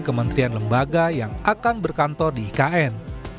kementerian lembaga yang akan berkantor di ikn